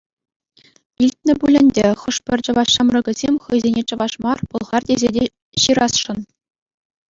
Илтнӗ пуль ӗнтӗ, хӑшпӗр чӑваш ҫамрӑкӗсем хӑйсене чӑваш мар, пӑлхар тесе те ҫырасшӑн.